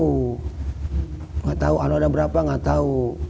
tidak tahu ada berapa tidak tahu